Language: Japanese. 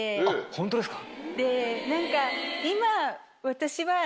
ホントですか。